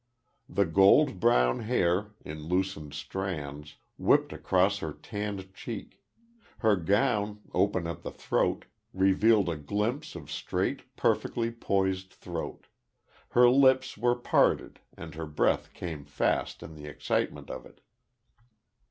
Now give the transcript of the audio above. The gold brown hair, in loosened strands, whipped across her tanned cheek; her gown, open at the throat, revealed a glimpse of straight, perfectly poised throat; her lips were parted and her breath came fast in the excitement of it.